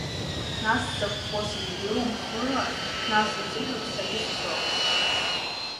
Нас закәхо сыздыруам хыла, нас азыҳәоуп сагьызшәо.